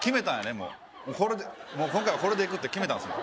もうこれでもう今回はこれでいくって決めたんですね